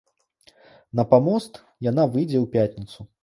На памост яна выйдзе ў пятніцу.